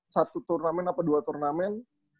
satu turnamen apa dua turnamen